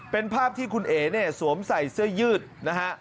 เป็นภาพที่คุณเอ๋เนี่ยสวมใส่เสื้อยืดนะฮะ